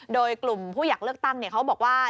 โดยกลุ่มผู้อยากเลือกตั้งเขาบอกว่า